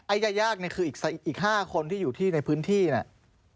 ยายากเนี่ยคืออีก๕คนที่อยู่ที่ในพื้นที่เนี่ย